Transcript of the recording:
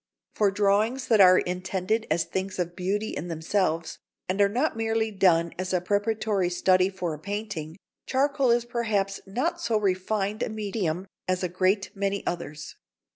For drawings that are intended as things of beauty in themselves, and are not merely done as a preparatory study for a painting, charcoal is perhaps not so refined a medium as a great many others.